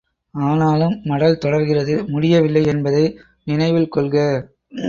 ஆனாலும் மடல் தொடர்கிறது, முடியவில்லை என்பதை நினைவில் கொள்க!